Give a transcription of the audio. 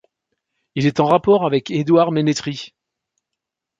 Il était en rapport avec Édouard Ménétries.